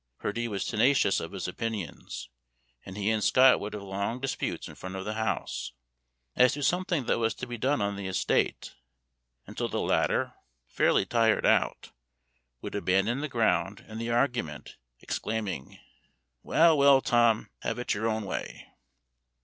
Purdie was tenacious of his opinions, and he and Scott would have long disputes in front of the house, as to something that was to be done on the estate, until the latter, fairly tired out, would abandon the ground and the argument, exclaiming, "Well, well, Tom, have it your own way."